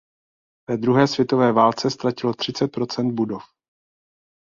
Ve druhé světové válce ztratilo třicet procent budov.